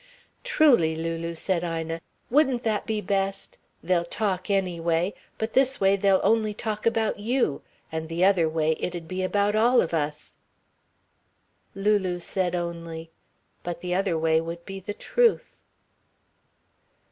"Truly, Lulu," said Ina, "wouldn't that be best? They'll talk anyway. But this way they'll only talk about you, and the other way it'd be about all of us." Lulu said only: "But the other way would be the truth."